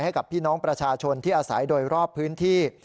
ให้กับพี่น้องประชาชนที่อาศัยโดยรอบพื้นที่